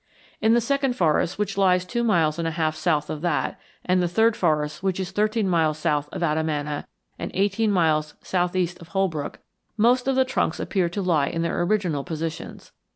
In the Second Forest, which lies two miles and a half south of that, and the Third Forest, which is thirteen miles south of Adamana and eighteen miles southeast of Holbrook, most of the trunks appear to lie in their original positions.